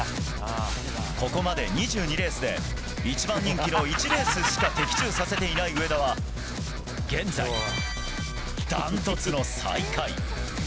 ここまで２２レースで１番人気の１レースしか的中させていない上田は現在、ダントツの最下位。